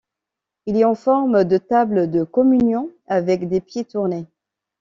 Il est en forme de table de communion avec des pieds tournés.